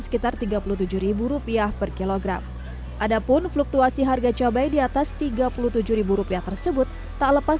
sekitar tiga puluh tujuh rupiah per kilogram adapun fluktuasi harga cabai di atas tiga puluh tujuh rupiah tersebut tak lepas